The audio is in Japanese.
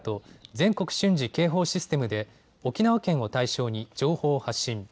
・全国瞬時警報システムで沖縄県を対象に情報を発信。